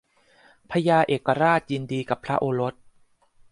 พญาเอกราชยินดีกับพระโอรส